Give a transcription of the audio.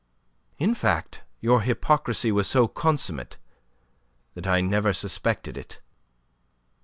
In fact, your hypocrisy was so consummate that I never suspected it.